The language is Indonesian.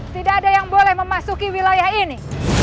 tidak ada yang boleh memasuki wilayah ini